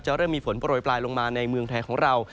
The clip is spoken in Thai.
เริ่มมีฝนโปรยปลายลงมาในเมืองไทยของเรา